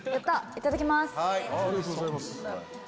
いただきます。